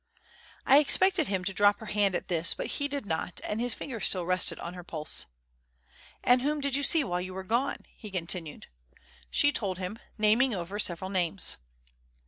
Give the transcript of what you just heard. I expected him to drop her hand at this, but he did not; and his finger still rested on her pulse. "And whom did you see while you were gone?" he continued. She told him, naming over several names.